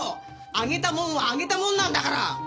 あげたもんはあげたもんなんだから！